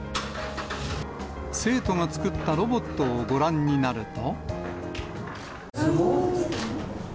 生徒が作ったロボットをご覧になると。